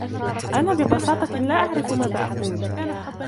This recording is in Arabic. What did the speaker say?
أنا ببساطة لا أعرف ماذا أقول...